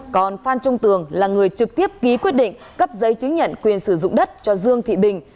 còn phan trung tường là người trực tiếp ký quyết định cấp giấy chứng nhận quyền sử dụng đất cho dương thị bình